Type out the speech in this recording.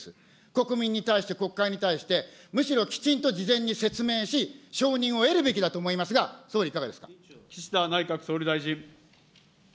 国民に対して、国会に対して、むしろきちんと事前に説明し、承認を得るべきだと岸田内閣総理大臣。